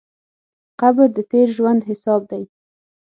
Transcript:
قبر د تېر ژوند حساب دی.